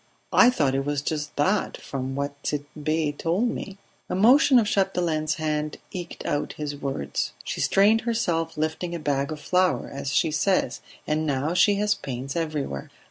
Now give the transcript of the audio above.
"I thought it was just that, from what Tit'Bé told me." A motion of Chapdelaine's hand eked out his words. "She strained herself lifting a bag of flour, as she says; and now she has pains everywhere.